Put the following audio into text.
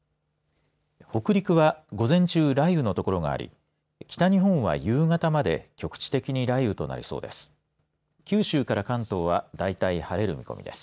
北陸は午前中雷雨の所があり北日本は夕方まで局地的に雷雨となりそうです。